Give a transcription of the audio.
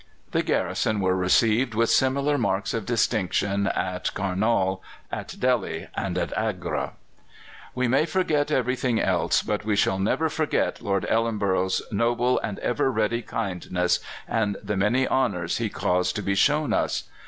The garrison were received with similar marks of distinction at Kurnaul, at Delhi, and at Agra. "We may forget everything else, but we shall never forget Lord Ellenborough's noble and ever ready kindness and the many honours he caused to be shown us.